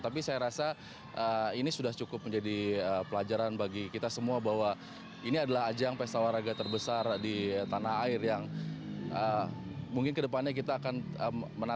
tapi saya rasa ini sudah cukup menjadi pelajaran bagi kita semua bahwa ini adalah ajang pesta olahraga terbesar di tanah air yang mungkin kedepannya kita akan menang